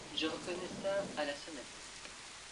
Je reconnais ça à la sonnette…